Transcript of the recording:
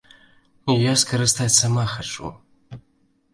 Я скарыстаць сама хачу.